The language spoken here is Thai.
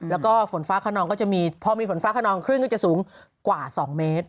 แล้วก็ฝนฟ้าขนองก็จะมีพอมีฝนฟ้าขนองคลื่นก็จะสูงกว่า๒เมตร